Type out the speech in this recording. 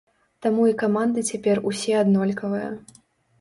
Таму і каманды цяпер усе аднолькавыя.